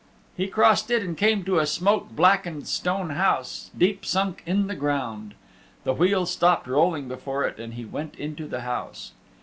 He crossed it and came to a smoke blackened stone house deep sunk in the ground. The wheel stopped rolling before it and he went into the house.